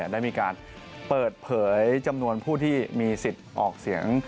ได้มีการเปิดเผยจำนวนผู้ที่มีสิทธิ์ออกเสียง